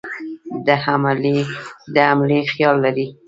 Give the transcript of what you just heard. د حملې خیال لري.